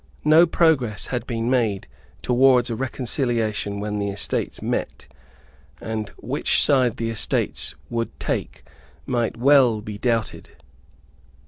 No progress had been made towards a reconciliation when the Estates met; and which side the Estates would take might well be doubted.